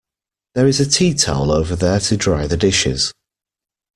There is a tea towel over there to dry the dishes